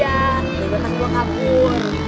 dari kota semua kabur